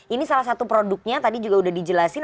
ini salah satu produknya tadi juga udah dijelasin